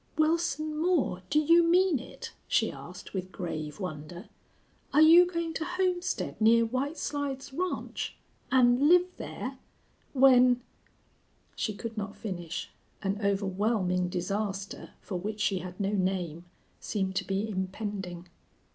"Wilson Moore, do you mean it?" she asked, with grave wonder. "Are you going to homestead near White Slides Ranch and live there when " She could not finish. An overwhelming disaster, for which she had no name, seemed to be impending.